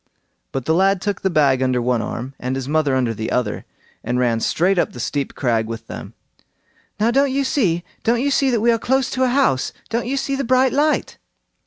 But the lad took the bag under one arm, and his mother under the other, and ran straight up the steep crag with them. "Now, don't you see! don't you see that we are close to a house! don't you see the bright light?"